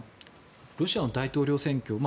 ロシアの大統領選挙